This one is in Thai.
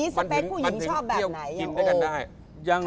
สเปคผู้หญิงชอบแบบไหน